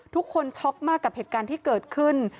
ช็อกมากกับเหตุการณ์ที่เกิดขึ้น